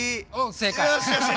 正解。